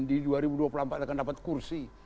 di dua ribu dua puluh empat akan dapat kursi